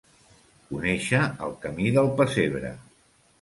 Conèixer el camí del pessebre.